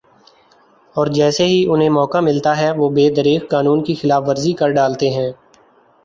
اور جیسے ہی انھیں موقع ملتا ہے وہ بے دریغ قانون کی خلاف ورزی کر ڈالتے ہیں